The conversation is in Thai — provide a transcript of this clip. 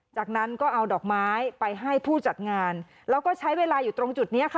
จากนั้นก็เอาดอกไม้ไปให้ผู้จัดงานแล้วก็ใช้เวลาอยู่ตรงจุดนี้ค่ะ